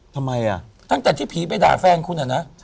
ทำไมครับทั้งแต่ที่ผีไปด่าแฟนคุณ